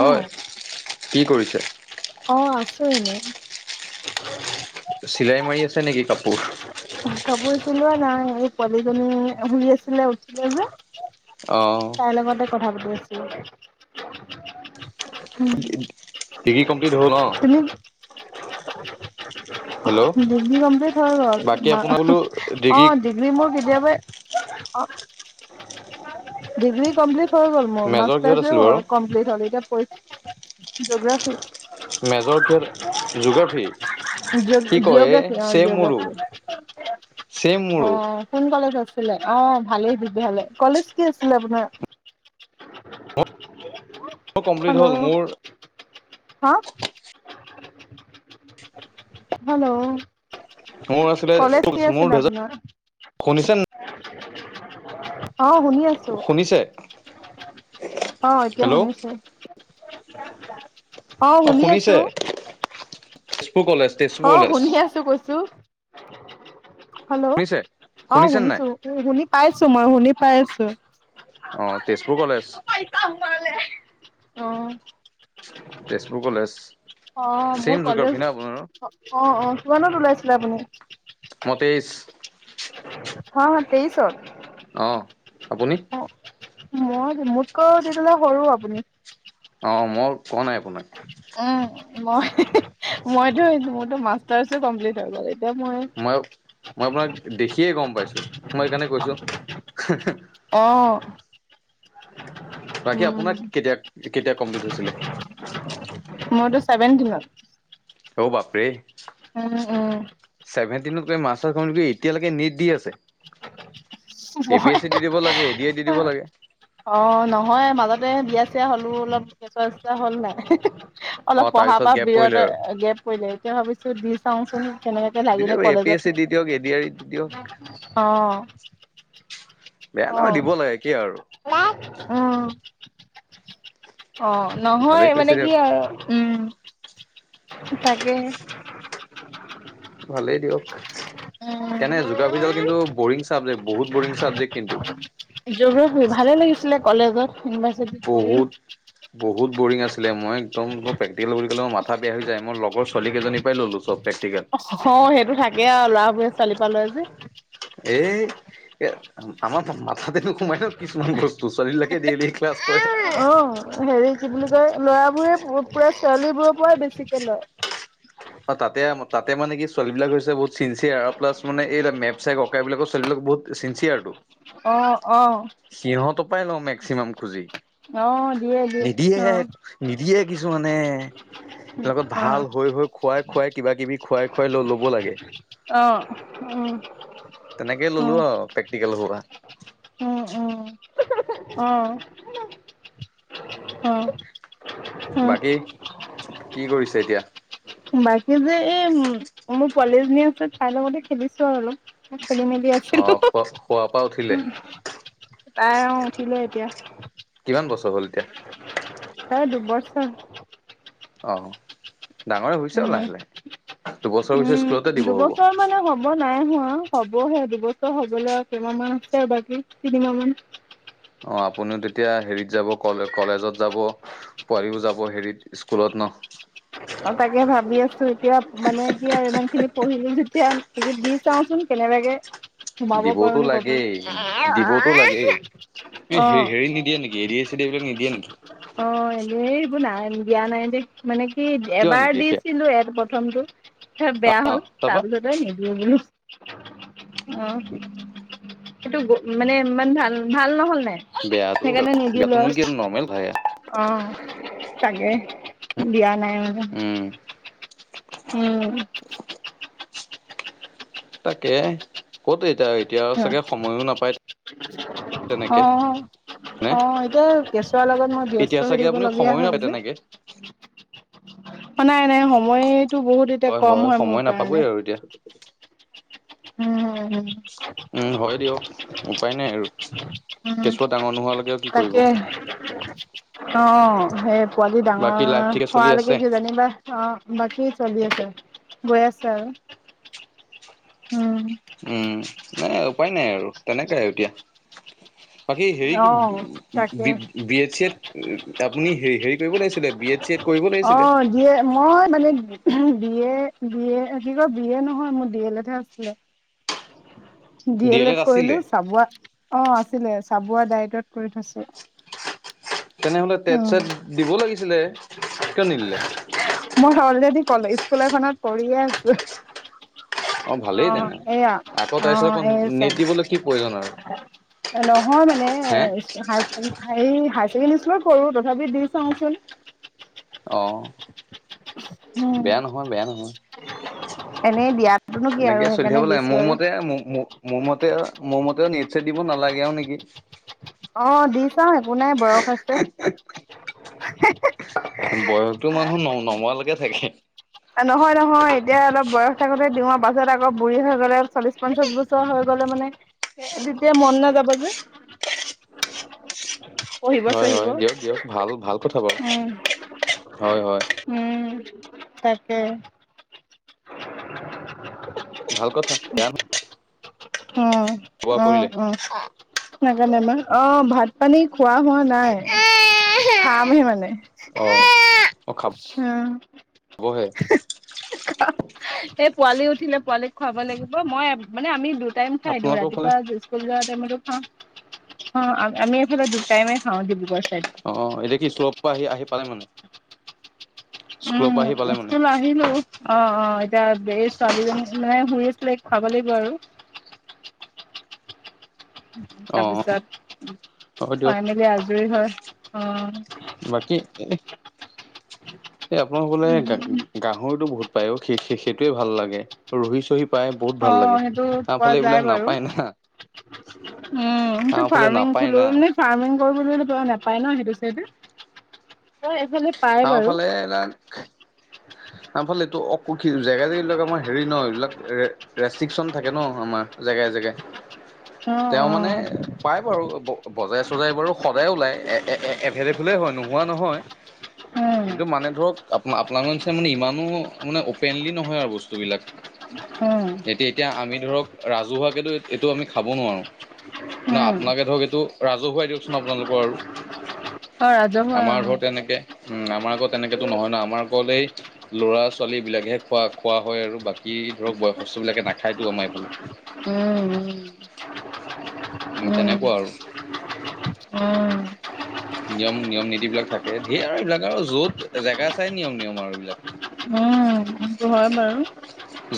হয়! কি কৰিছে? অ'! আছোঁ এনেই। চিলাই মাৰি আছে, নেকি কাপোৰ? কাপোৰ চিলোৱা নাই। এই, পোৱালিজনী শুই আছিলে, উঠিলে নহয়। অ'! তাই লগতে, কথা পাতি আছিলোঁ। [unintelligible] উম! ডিগ্ৰী কমপ্লিট হ'ল ন? [unintelligible] [unintelligible] অ'! ডিগ্ৰী হেল্ল' মোৰ কেতিয়াবাই, বাকী আপোনাৰ বোলো অ'! ডিগ্ৰী কমপ্লিট হৈ গ'ল মোৰ। মাষ্টাৰচে হ'ল, মেজৰ কিহত কমপ্লিট আছিল বাৰু? হ'ল। এতিয়া, পৰী জীঅ'গ্ৰাফীত। মেজৰ কিহত? জীঅ'গ্ৰাফীত? কি কয় এ'! অ', চেম মোৰো, জিঅ'গ্ৰাফি চেম মোৰো। অ', কোন কলেজ আছিলে? অ'! ভালেই তেতিয়াহ'লে। কলেজ কি আছিলে আপোনাৰ? [unintelligible] মোৰ কমপ্লিট হ'ল, হেল্ল' মোৰ। হা? [unintelligible] হেল্ল'! মোৰ আছিলে কলেজ কি মোৰ আছিলে, দুহেজাৰ আপোনাৰ? শুনিছে নে [unintelligible] অ'! শুনি আছোঁ। শুনিছে? অ'! এতিয়া, হেল্ল' শুনিছোঁ। অ'! শুনিছে? তেজপুৰ কলেজ। তেজপুৰ অ'! কলেজ শুনি শুনিছে? আছোঁ, কৈছোঁ। হেল্ল'? অ'! শুনিছে নে নাই? শুনিছোঁ। শুনি পাইছোঁ মই, শুনি পাইছোঁ। অ'! তেজপুৰ কলেজ। অ'! তেজপুৰ কলেজ। অ'! ছেম মোৰ জোগ্ৰাফী কলেজ, ন আপোনাৰো? অ' অ'! কিমানত ওলাইছিলে আপুনি? মই তেইশ। [unintelligible] হয়, হয়! তেইশত। অ'! আপুনি? তেইছত মই, মোতকৈ তেতিয়াহ'লে সৰু আপুনি। অ'! মই কওঁ নাই, আপোনাক? উম, মই মইতো, মোৰতো মাষ্টাৰছো কমপ্লিট হৈ গ'ল ত মই মই আপোনাক দেখিয়ে গম পাইছো, মই সেইকাৰণে কৈছো অ'। বাকী উম অপোনাক কেতিয়া, কেতিয়া কমপ্লিট হৈছিলে? মোৰতো ছেভেনটিনত। অ', বাপৰে। উম। উম ছেভেনটিনতকৈ মাষ্টাৰছ কম্পিট কৰি, এতিয়ালৈকে নেট দি আছে এ বি মই এছ চি দি দিব লাগে, এ ডি এ দি দিব লাগে। অ', নহয় মাজতে বিয়া-চিয়া হ'লো, অলপ কেচুৱা-চেচুৱা হ'ল নাই। অলপ অ', পঢ়া তাৰপিছত পা গেপ বিৰত, পৰিলে আৰু। গেপ পৰিলে, এতিয়া ভাবিছো দি চাওচোন, কেনেবাকে দি লাগিলে দিয়ক এ পি এছ কলেজত চি দি দিয়ক, এ ডি আৰ ই দি দিয়ক। অ'। বেয়া অ নহয় দিব লাগে কি আৰু। উম, অ'। নহয় ভালেই কৈছে মানে কি দিয়ক, আৰু, উম। তাকে হে ভালেই দিয়ক, কেনে জিঅ'গ্ৰাফি কিন্তু ব'ৰিং চাবজেক্ট, বহুত ব'ৰিং চাবজেক্ট কিন্তু। জিঅ'গ্ৰাফি ভালে লাগিছিলে কলেজত। ইউনিভাৰ্চিটি বহুত পঢ়ি। বহুত বৰিং আছিলে, মই একদম প্ৰেক্টিকেল বুলি ক'লে মোৰ মাথা বেয়া হৈ যায়। মই লগৰ ছোৱালীকেইজনী পৰাই ল'লোঁ চব। প্ৰেকটিকেল। অ', সেইটো থাকেই আৰু ল'ৰাবোৰে ছোৱালী পৰা লয় যে। এই এ, আমাৰ মাথাতে নোসোমাই ন কিছুমান বস্তু, ছোৱালী বিলাকে ডেইলি ক্লাছ কৰে। অ', হেৰি কি বুলি কয় ল'ৰাবোৰে পুৰা ছোৱালী বোৰৰ পৰাই বেছিকে লয়। অ', তাতে ম- তাতে মানে কি ছোৱালী বিলাক হৈছে বহুত চিনঞ্চিয়াৰ আৰু প্লাছ মানে এই মেপ-চেপ অকা এইবিলাকত ছোৱালবিলাক বহুত চিনঞ্চিয়াৰ টো। অহ, অ'। সিহঁতৰ পৰাই লওঁ মেক্সিমাম খুজি। অ', দিয়ে দিয়ে নিদিয়েহে, অ', নিদিয়ে কিছুমানে। লগত অ', ভাল হৈ হৈ খুৱাই, খুৱাই কিবা-কিবি খুৱাই, খুৱাই ল'ব লাগে। অ', উম। তেনেকৈ ল'লো আৰু প্ৰেক্টিকেলৰ সোপা। উম, উম, উম, উম। বাকী, কি কৰিছে এতিয়া? বাকী যে এই, মোৰ পোৱালি এজনী আছে, তাই লগতে খেলিছো আৰু অলপ। খেলি-মেলি আছো অ', শুৱা- শুৱা পা উঠিলে? তাই অ', উঠিলে এতিয়া। কিমান বছৰ হ'ল এতিয়া? তাইৰ দুবছৰ। অ', ডাঙৰ হৈছে উম, লাহে-লাহে, দুবছৰৰ পিছত উম, স্কুলতে দিব হ'ব। দুবছৰ মানে হ'ব নাই হোৱা হ'বহে দুবছৰ হ'বলৈ আৰু কেইমাহ মাহ আছে আৰু বাকী তিনিমাহ মান। অ আপুনিও তেতিয়া হেৰিত যাব কলে কলেজত যাব। পোৱালিও যাব হেৰিত স্কুলত ন? অ তাকে ভাবি আছো এতিয়া মানে কি আৰু ইমান খিনি পঢ়িলো যেতিয়া এই দি চাওচোন কেনেবাকে সোমাব দিবতো পাৰোনি ক'ৰবাত লাগেই দিবতো লাগেই। অ ইন্টাৰভিউটো নিদিয়ে নেকি? অ এনেই এইবোৰ নাই দিয়া নাই দে। মানে হিত কিয় এবাৰ নিদিয়ে সেয়া দিছিলো এ প্ৰথমটো হে বেয়া হল অ', তাৰপা তাৰপিছত তে নিদিওঁ বোলো, অ। সেইটো গো মানে ইমান ভাল ভাল নহল নাই বেয়াটো সেইকাৰণে নিদিলো বেয়াতোনো আৰু কি নৰ্মেল থাকে। অ তাকেহ দিয়া নাই মানে। উম, উম। তাকে ক'ত এতিয়া এতিয়া আউ চাগে সময়ো নাপায়। অ। তেনেকে নে অ এতিয়া কেঁচুৱাৰ লগত মই এতিয়া ব্যস্ত হৈ চাগে থাকিব আপুনি লগীয়া সময়ো হয় নাপায় যে। তেনেকে। নাই নাই সময়টো বহুত এতিয়া কম হয় মোৰ কাৰণে। হ দিয়া উম। উম হয় দিয়ক উপায় নাই আৰু। উম কেঁচুৱা ডাঙৰ নোহোৱালৈকে কি কৰিব। তাকে অ, সেই পোৱালি বাকী লাইফ ডাঙৰ ঠিকে চলি আছে হোৱালৈকে কি জানিবা অ, বাকী চলি আছে গৈ আছে আৰু! অ উম, নাই উপায় নাই আৰু তেনেকাই এতিয়া। বাকী হেৰি অ তাকে বি বি এ চি এত আপুনি হেৰি কৰিব লাগিছিলে? বি এ চি এত কৰিব অ লাগিছিলে? দিয়ে মই মানে বি এ বি এ কি কয় বি এ নহয় মোৰ ডী এ লেতহে আছিলে। [inaudible] ডি এল এড কৰিলো চাবুৱা অ আছিলে চাবুৱা দায়টত কৰি থৈছো। তেনেহ'লে উম টেট-চেট দিব লাগিছিলে! কিয় নিদিলে? মই অলৰেডি কলে স্কুল এখনত কৰিয়ে আছো। অ ভালেই তেনে সেইয়া আকৌ অ তাৰপিছত আকৌ সেই নেট জন দিবলৈ কি প্ৰয়োজন আৰু নহয় মানে, হে হাই হেই ছেকেণ্ডৰী স্কুলত তথাপি দি চাওচোন! অ, উম, বেয়া নহয়। বেয়া নহয়। এনেই বিয়াত তেনেকে চলি থাকব লাগে। মোৰ মতে মু মু মোৰ মতে মোৰ মতেও নট-চেট দিব নালাগে আউ নেকি! অ, দি চাও একো নাই বয়স আছে। বয়সতো মানুহ ন নময়ালেকে থাকে। নহয়, নহয়, এতিয়া অলপ বয়স থাকোতে দিওঁ, পাছত আকৌ বুঢী হৈ গ'লে চল্লিশ পঞ্চাশ বছ চ হৈ গলে মানে এ তেতিয়া মন নাযাব যে। পঢ়িব হয়, চঢ়িব। দিয়ক-দিয়ক ভাল-ভাল কথা বাউ উম, হয়, হয়। উম। কে ভাল কথা। [unintelligible] উম, খোৱা উম, কৰিলে উম। অ, ভাত পানী খোৱা হোৱা নাই। খামহে মানে! অ, অ, খাব ওম! [unintelligible] এই পোৱালি উঠিলে পোৱালিক খুৱাব লাগিব, মই, মানে আমি দু টাইম খাই দিওঁ, আপোনালোকৰ ফালে ৰাতিপুৱা স্কুল যোৱা টাইমতো খাওঁ, আমি এইফালে দুটাইমেই খাওঁ ডিব্ৰুগড় চাইডত। অ, এতিয়া [unintelligible] পৰা আহি-আহি পালে মানে? উম। স্কুলৰ পৰা আহি [unintelligible] পালে মানে [unintelligible] অ, অ, এতিয়া ছোৱালীজনী মানে শুই আছিলে খুৱাব লাগিব আৰু। [inaudible] [inaudible] অ তাৰপিছত, ফাইনেলি হ'ব দিয়ক আজৰি হৈ অ, বাকী এ, এই আপোনালোকৰ [unintelligible] গাহৰিতটো বহুত পায় অ, সেই সেইটোৱেই ভাল লাগে। ৰহি-চহি অ, সেইটো পোৱা যায় বাৰু। উম, নাপায় না সেইটো আমাৰ ফালে ফাৰ্মিং নাপায় খোলো না [unintelligible] ফাৰ্মিং কৰোঁ বুলি [unintelligible] নেপায় ন সেইটো চাইডে? [unintelligible] আমাৰ ফালে [unintelligible] আমাৰ ফালে এইটো [unintelligible] [unintelligible] জেগা-জেগি বিলাক আমাৰ হেৰি ন এইবিলাক ৰে ৰেষ্ট্ৰিকচন থাকে ন আমাৰ জেগাই-জেগাই। অ অ তেওঁ মানে পায় বাৰু বজাৰে-চজাৰে বাৰু সদায়েই ওলায়। এ-এ-এ এভেইলেবলেই হয়, নোহোৱা নহয়। উম কিন্তু মানে ধৰক আপোনা আপোনালোকৰ নিচিনা মানে ইমানো মানে অপেনলি নহয় আৰু বস্তুবিলাক। উম এতিয়া এতিয়া, আমি ধৰক ৰাজহুৱাকেতো এইটো আমি খাব নোৱাৰো। ন উম আপোনালোকে ধৰক এইটো, ৰাজহুৱাই দিয়কচোন আপোনালোকৰ আৰু। অ ৰাজহুৱা আমাৰ অ ধৰ তেনেকে, উম আমাৰ [unintelligible] তেনেকেতো নহয় না, আমাৰ অকল এই ল'ৰা ছোৱালী বিলাকহে খোৱা খোৱা হয় আৰু, বাকী ধৰক বয়সস্থ বিলাকে নাখায়তো আমাৰ এইফালে। উম উম। তেনেকুৱা আৰু উম উম। [inaudible] নিয়ম নিয়ম নীতি বিলাক থাকে, ধেৰ আৰু এইবিলাক আৰু য'ত জেগা চাই নিয়ম নিয়ম আৰু এইবিলাক। উম, সেইটো হয় বাৰু!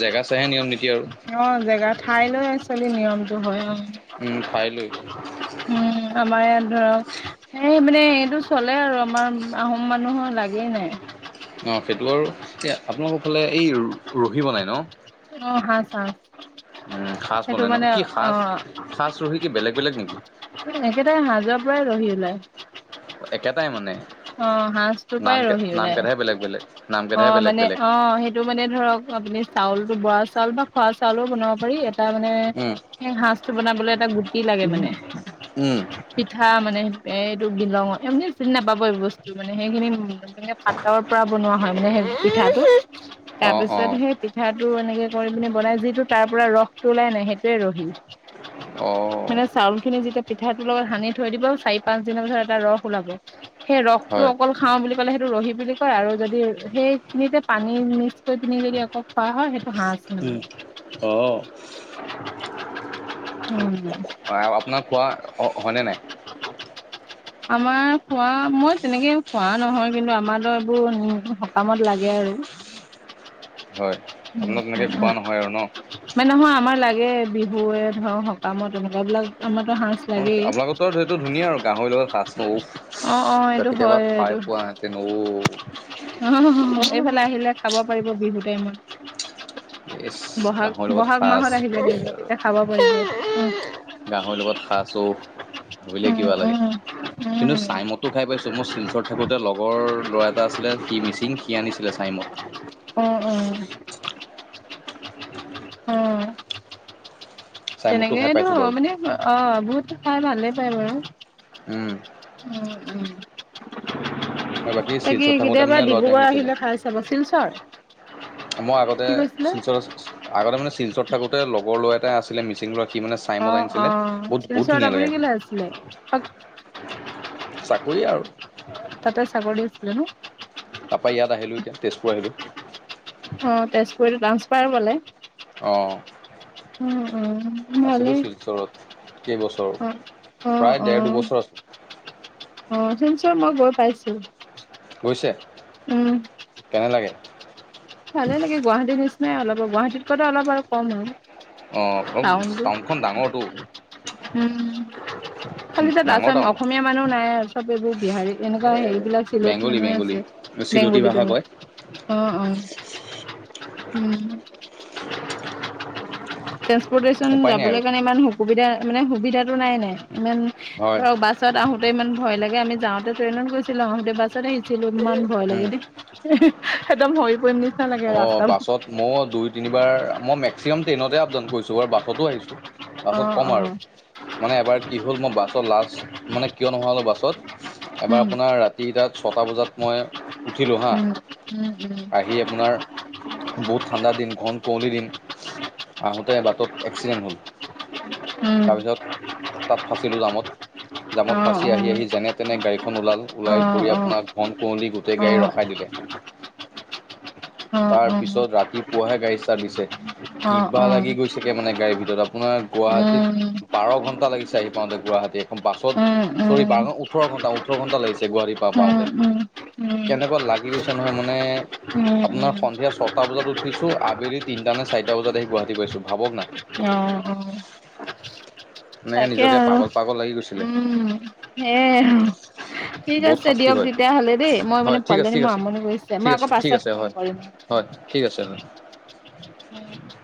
জেগা চাইহে নিয়ম নীতি আৰু অ', জেগা ঠাই লৈ [unintelligible] নিয়মটো হয় অ'। উম, ঠাই লৈ উম, আমাৰ ইয়াত ধৰক এই মানে এইটো চলে আৰু আমাৰ আহোম মানুহৰ লাগেই নাই। অঁ'সেইটো আৰু, এই আপোনালোকৰ ফালে এই ৰহি বনাই ন? অ'। [unintelligible] উম, সাজ সেইটো বনাই ন। মানে কি সাজ, অ', সাজ ৰহি কি বেলেগ বেলেগ নেকি? একেটাই মাজৰ পৰাই ৰহি ওলায়। একেটাই মানে? অ', সাজটো নাম পায় ৰহি নাম উলাই, কেইটাহে বেলেগ বেলেগ নাম কেইটাহে অ', বেলেগ মানে বেলেগ অ', সেই এইটো মানে ধৰক, আপুনি চাউলো বৰা চাউল বা খোৱা চাউলো বনাব পাৰি, এ এটা মানে, উম এ সাজটো বনাবলৈ এটা গুটি লাগে মানে। উম পিঠা মানে, এইটো বিলঙ আপুনি চিনি নাপাব এইবোৰ বস্তু মানে, সেইখিনি মানে এই পাতৰ পৰা বনোৱা হয় মানে, সেই পিঠাটো, অ তাৰপিছত অ সেই পিঠাটো এনেকে কৰি পিনে বনাই, যিটো তাৰপৰা ৰসটো ওলাই নাই, সেইটোয়ে ৰহি। অ'। মানে চাউলখিনি যেতিয়া, পিঠাটোৰ লগত সানি থৈ দিব, চাৰি, পাঁচ দিনৰ পিছত এটা ৰস ওলাব। সেই ৰসটো হয়। অকল খাওঁ বুলি ক'লে, সেইটো ৰহি বুলি কয়। আৰু যদি সেইখিনিতে পানী মিক্স কৰি, পিনি যদি আকৌ খোৱা হয়, সেই উম, অ'। উম, আপোনাৰ খোৱা, হয়নে নাই? আমাৰ। খোৱা, মই তেনেকে খোৱা নহয় কিন্তু, আমাৰটো এইবোৰ সকামত লাগে আৰু। হয়, উম, আপোনাৰ তেনেকে খোৱা উম। নহয় আৰু ন? মানে নহয়, আমাৰ লাগে, বিহুৱে ধৰ সকামত তেনেকুৱা বিলাক। আমাৰতো সাজ লাগেই। আপোনালোকৰটো আৰু সেইটো ধুনীয়া আৰু, গাহৰিৰ লগত সাজ, উফ। অ', অ' এইটো কেতিয়াবা হয় খাই এইটো, পোৱাহেঁতেন ঔ অ', অ', এইফালে আহিলে খাব পাৰিব, বিহু টাইমত। ইচ ব'হাগ, গাহৰিৰ লগত ব'হাগ সাজ মাহত আহিলে, বেলেগ তেতিয়া খাব পাৰিব। গাহৰি লগত সাঁজ উফ, ভাবিলে উম কিবা লাগে। উম কিন্তু উম চাইমটো খাই পাইছোঁ, মই শিলচৰত থাকোতে লগৰ ল'ৰা এটা আছিলে, সি মিচিং, সি আনিছিলে চাইমট। অ', অ', অ'। চাইমদটো খাই তেনেকেইটো পাইছোঁ বাৰু। মানে, অ', বহুতে খাই ভালে পায় বাৰু। উম। উম, উম, আৰু বাকী তাকে, শিলচৰত থাকোঁতে কেতিয়াবা মানে ল'ৰাটোৱে ডিব্ৰুগড় আনি দিছিলে। আহিলে, খাইছ চাবা, শিলচৰ। মই আগতে কি কৈছিলে? শিলচৰত আছিলোঁ, আগতে মানে, শিলচৰত থাকোঁতে, লগৰ ল'ৰা এটা আছিলে, মিচিং ল'ৰা সি মানে অ চাইমদ অ আনিছিলে, বহুত, বহুত শিলচৰত ধুনীয়া আপুনি লাগে কেলে খায়। আছিলে? চাকৰি আৰু। তাতে, চাকৰি আছিলে ন? তাৰপৰা, ইয়াত আহিলোঁ এতিয়া, তেজপুৰ আহিলোঁ। অ', তেজপুৰ, এইতো ট্ৰান্সফাৰ ল'লে। অ'। উম, উম, ভালে। শিলচৰত কেইবছৰ অ', অ', প্ৰায় ডেৰ অ'। দুবছৰ আছোঁ অ', শিলচৰ মই গৈ পাইছোঁ। গৈছে, কেনে লাগে? ভালে লাগে, গুৱাহাটীৰ নিচিনাই অলপ, গুৱাহাটীতকৈ অলপ আৰু কম আৰু। অঁ অলপ টাউনটো, টাউনখন ডাঙৰটো উম। খালি তাত ডাঙৰ আসাম টাউনটো অসমীয়া মানুহ নাই, চব এইবোৰ বিহাৰী, এনেকুৱা হেৰিবিলাক চিলেত মানুহে আছে। চিলটি বেংগলী ভাষা বেংগ কয়। অ', অ'। উম, ট্ৰেন্সপৰ্টেচন উপায় নাই যাবলৈ আৰু কাৰণে, ইমান সু সুবিধা মানে, সুবিধাটো নাই, নাই ইমান হয় ধৰক বাছ ছত আহোঁতে ইমান ভয় লাগে আমি যাওঁতে ট্ৰেইনত গৈছিলো আহোঁতে বাছত আহিছিলো, ইমান ভয় উম। লাগে দেই। একদম হৈ পৰিম নি- অঁ বাছত ময়ো দুই তিনিবাৰ মই মেক্সিমাম ট্ৰেইনতে আপ ডাউন কৰিছোঁ বাৰু বাছতো আহিছোঁ। বাছত অঁ ক'ম অঁ। আৰু মানে এবাৰ কি হ'ল মই বাছত লাষ্ট মানে কিয় নহা হলো বাছত- এবাৰ উম আপোনাৰ ৰাতি তাত ছটা বজাত মই ওঠিলো হাঁ- উম উম। আহি আপোনাৰ- বহুত ঠাণ্ডা দিন, ঘন কুঁৱলী দিন আহোঁতে বাটত এক্সিডেণ্ট হ'ল। উম তাপিছত তাত ফাঁচিলো জামত জামত ফাঁচি উম আহি উম আহি যেনে- তেনে গাড়ীখন ওলাল, অ' ওলাই অ' কৰি অ' অ' আপোনাক ঘন কুঁৱলী গোটেই অ' গাড়ী ৰখাই দিলে। অ' তাৰপিছত ৰাতিপুৱাহে গাড়ী ষ্টাৰ্ট দিছে। অ' অ' কিবা অ' লাগি গৈছে গে মানে গাড়ীৰ ভিতৰত আপোনাৰ উম উম উম উম উম উম গুৱাহাটীত- বাৰ ঘণ্টা লাগিছে আহি পাওঁতে গুৱাহাটী এখন বাাছত- চৰি বাৰ ঘ ওঠৰ ঘণ্টা, ওঠৰ ঘন্টা লাগিছে গুৱাহাটী পা পাওঁতে। কেনেকুৱা লাগি গৈছে নহয় মানে- উম আপোনাৰ উম সন্ধিয়া ছটা বজাত উঠিছো আবেলি তিনিটা নে চাৰিটা বজাত আহি গুৱাহাটী পাইছো, ভাবক না। অঁ অঁ। মানে নিজকে পাগল পাগল লাগি গৈছিলে। হেঁ। ঠিক বহুত আছে শাস্তি দিয়ক হয় তেতিয়া হলে দেই মই মানে হয় ঠিক পোৱালি আছে জনী ঠিক মোৰ আছে আমনি কৰিছে ঠিক মই আকৌ আছে ঠিক পাছত- আছে ফোন হয় কৰিম অঁ, হয় ঠিক আছে হয় উম'।